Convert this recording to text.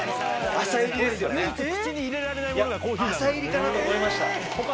浅煎りかなと思いました。